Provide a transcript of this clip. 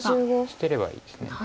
捨てればいいです。